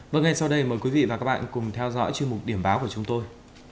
vâng ngay sau đây mời quý vị và các bạn cùng theo dõi chương trình điểm báo của chúng tôi